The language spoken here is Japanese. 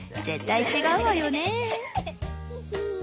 「絶対違うわよね」。